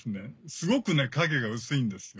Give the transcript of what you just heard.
すごく影が薄いんですよ。